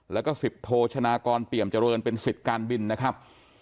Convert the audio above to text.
แล้วก็สิบโทชนากรเปี่ยมเจริญเป็นสิทธิ์การบินนะครับ